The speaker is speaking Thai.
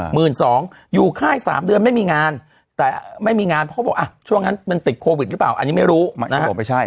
หมื่นสองอยู่ค่ายสามเดือนไม่มีงานแต่ไม่มีงานเพราะเขาบอกอ่ะช่วงนั้นมันติดโควิดหรือเปล่าอันนี้ไม่รู้นะครับผมไม่ใช่